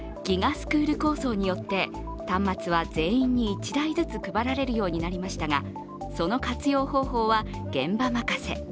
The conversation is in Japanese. スクール構想によって端末は全員に１台ずつ配られるようになりましたが、その活用方法は現場任せ。